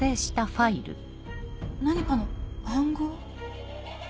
何かの暗号？